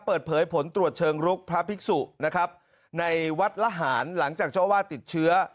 เปิดเผยผลตรวจเชิงลุกพระภิกษุนะครับในวัดละหารหลังจากเจ้าวาดติดเชื้อ